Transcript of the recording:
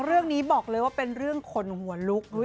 เรื่องนี้บอกเลยว่าเป็นเรื่องขนหัวลุก